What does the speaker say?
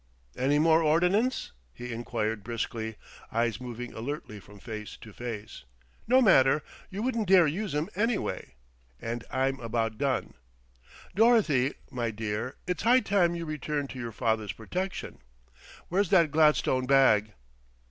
"Any more ordnance?" he inquired briskly, eyes moving alertly from face to face. "No matter; you wouldn't dare use 'em anyway. And I'm about done. Dorothy, my dear, it's high time you returned to your father's protection. Where's that gladstone bag?"